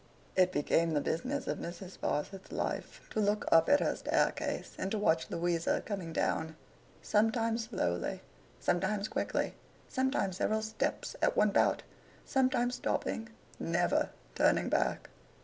It became the business of Mrs. Sparsit's life, to look up at her staircase, and to watch Louisa coming down. Sometimes slowly, sometimes quickly, sometimes several steps at one bout, sometimes stopping, never turning back.